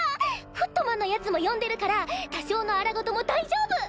フットマンのヤツも呼んでるから多少の荒事も大丈夫！